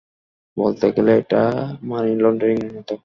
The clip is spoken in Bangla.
বলতে গেলে, এটা মানি লন্ডারিং মত।